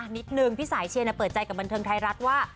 นิดนึงพี่สายเชียร์เปิดใจกับบันเทิงไทยรัฐว่า